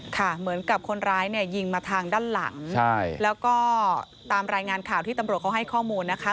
เหมือนกับคนร้ายเนี่ยยิงมาทางด้านหลังใช่แล้วก็ตามรายงานข่าวที่ตำรวจเขาให้ข้อมูลนะคะ